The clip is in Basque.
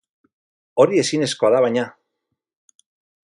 Hori ezinezkoa da, baina!